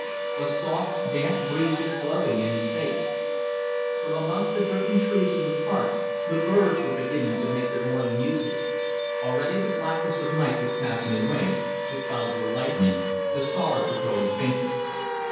A soft, damp breeze was blowing in his face; from amongst the dripping trees of the Park the birds were beginning to make their morning music. Already the blackness of night was passing away, the clouds were lightening, the stars were growing fainter.